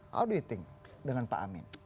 how do you think dengan pak amin